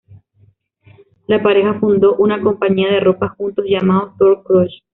La pareja fundó una compañía de ropa juntos, llamada "Tour Crush".